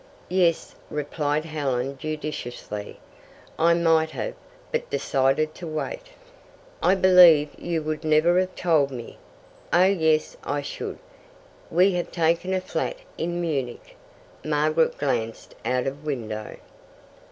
"Yes," replied Helen judicially. "I might have, but decided to wait." " I believe you would never have told me." "Oh yes, I should. We have taken a flat in Munich." Margaret glanced out of window.